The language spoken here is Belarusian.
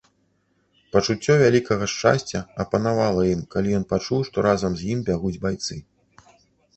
Пачуццё вялікага шчасця апанавала ім, калі ён пачуў, што разам з ім бягуць байцы.